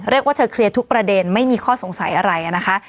เรียกว่าเธอเคลียร์ทุกประเด็นไม่มีข้อสงสัยอะไรนะคะ